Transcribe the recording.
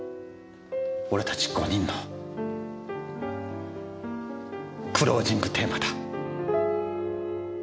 俺たち５人のクロージングテーマだ。